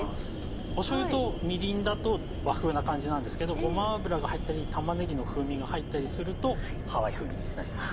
しょうゆとみりんだと和風な感じなんですけどごま油が入ったり玉ねぎの風味が入ったりするとハワイ風になります。